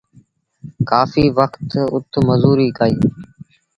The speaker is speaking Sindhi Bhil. ڪآڦيٚ وکت اُت مزوريٚ ڪئيٚ۔